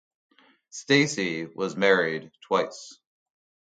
Stacy was married twice.